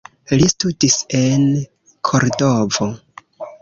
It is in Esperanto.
Li studis en Kordovo.